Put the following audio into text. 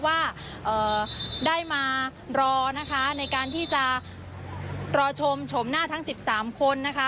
ว่าได้มารอนะคะในการที่จะรอชมชมหน้าทั้ง๑๓คนนะคะ